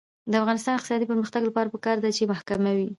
د افغانستان د اقتصادي پرمختګ لپاره پکار ده چې محکمه وي.